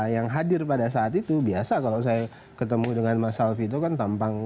yang hadir pada saat itu biasa kalau saya ketemu dengan mas alvito kan tampang